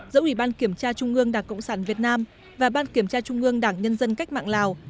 giữa ủy ban kiểm tra trung ương đảng cộng sản việt nam và ban kiểm tra trung ương đảng nhân dân cách mạng lào